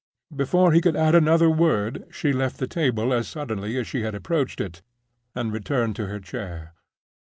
Before he could add another word she left the table as suddenly as she had approached it, and returned to her chair.